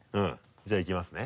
じゃあいきますね。